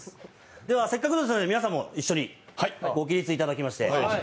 では、せっかくですので皆さんも一緒にご起立いただきまして。